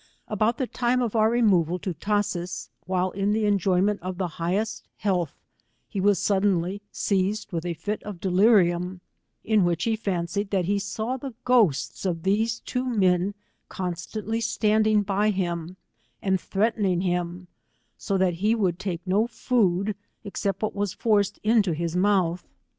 About the time of our removal to Tashees, while in the enjoy ment of the highest health, he was suddenly seized with a fit of delirium, in which he fancied that he saw the ghosts of those two men constantly stand ing by him, and threatening him, so that he would take no food, except what was forced iuio his mouth.